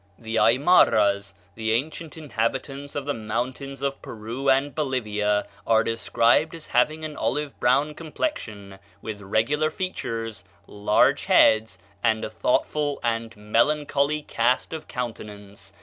The Aymaras, the ancient inhabitants of the mountains of Peru and Bolivia, are described as having an olive brown complexion, with regular features, large heads, and a thoughtful and melancholy cast of countenance.